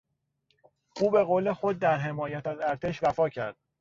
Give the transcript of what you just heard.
او به قول خود در حمایت از ارتش وفا کرد.